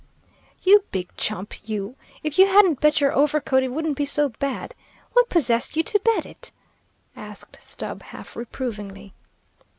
"You big chump, you! if you hadn't bet your overcoat it wouldn't be so bad. What possessed you to bet it?" asked Stubb, half reprovingly.